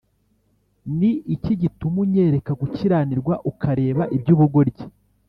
ni iki gituma unyereka gukiranirwa, ukareba iby’ubugoryi’